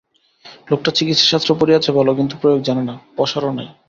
লোকটা চিকিৎসাশাস্ত্র পড়িয়াছে ভালো কিন্তু প্রয়োগ জানে না, পশারও নাই।